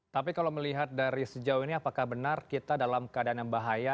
tapi kalau melihat dari sejauh ini apakah benar kita dalam keadaan yang bahaya